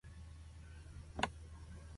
네가 선을 행하면 어찌 낯을 들지 못하겠느냐